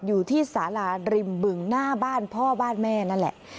อยู่ที่สาราริมบึงหน้าบ้านพ่อบ้านแม่นั่นแหละ